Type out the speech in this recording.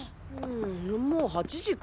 もう８時か。